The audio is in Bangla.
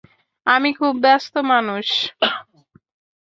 আমি খুব ব্যস্ত মানুষ।